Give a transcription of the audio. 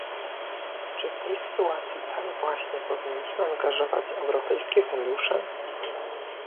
Czy w tej sytuacji tak właśnie powinniśmy angażować europejskie fundusze?